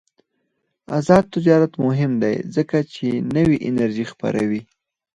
آزاد تجارت مهم دی ځکه چې نوې انرژي خپروي.